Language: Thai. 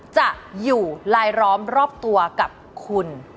จะอยู่ลายล้อมรอบตัวกับคุณ